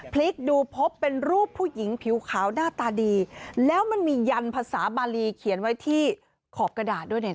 พลิกดูพบเป็นรูปผู้หญิงผิวขาวหน้าตาดีแล้วมันมียันภาษาบาลีเขียนไว้ที่ขอบกระดาษด้วยเนี่ย